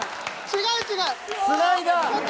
違う違う。